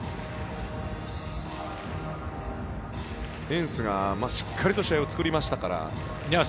エンスがしっかりと試合を作りましたから。